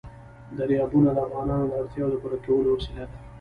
دریابونه د افغانانو د اړتیاوو د پوره کولو وسیله ده.